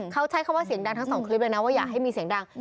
เขาใช้คำว่าเสียงดังทั้งสองคลิปเลยนะว่าอย่าให้มีเสียงดัง